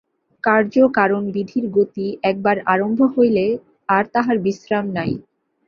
কার্য-কারণ-বিধির গতি একবার আরম্ভ হইলে আর তাহার বিশ্রাম নাই।